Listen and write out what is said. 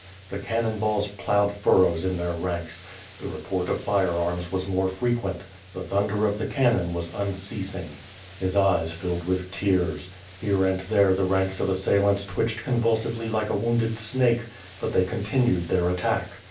The cannon balls i^loughed furrows in their ranks. The report of firearms wafl more frequent. The thunder of the cannon was unceasing. His 1 82 WITH FIRE AND SWORD. eyes filled with tears. Here and there the ranks of assailants twitched convulsively hke a wounded snake, but th ey con tinued their attack.